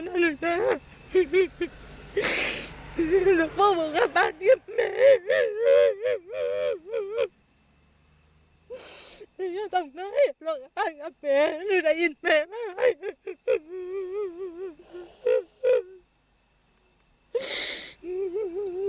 ไม่อยากต้องมายุ่งละครับบ้านกับแม่โดยได้ยินแม่มาก